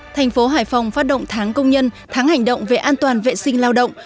thành phố hải phòng phát động tháng công nhân tháng hành động về an toàn vệ sinh lao động